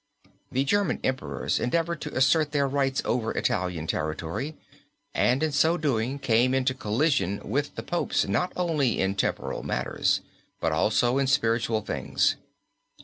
The German Emperors endeavored to assert their rights over Italian territory and in so doing came into collision with the popes not only in temporal matters but also in spiritual things.